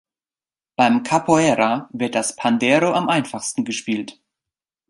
Beim Capoeira wird das Pandeiro am einfachsten gespielt.